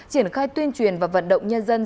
triển khai tuyên truyền và vận động nhân dân